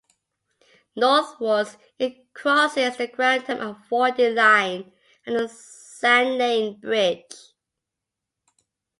Northwards, it crosses the Grantham Avoiding Line at the "Sand Lane" bridge.